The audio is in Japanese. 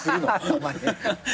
たまに。